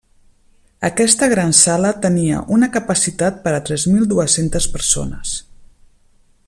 Aquesta gran sala tenia una capacitat per a tres mil dues-centes persones.